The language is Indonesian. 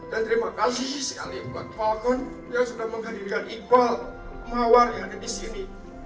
dan terima kasih sekali buat falcon yang sudah menghadirkan iqbal mawar yang ada di sini